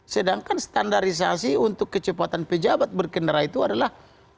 sedangkan standarisasi untuk kecepatan pejabat berkendara itu adalah